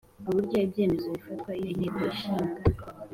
Uburyo ibyemezo bifatwa iyo Inteko Ishinga